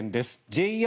ＪＲ